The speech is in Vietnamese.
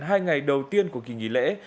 hai ngày đầu tiên của kỳ nghỉ lễ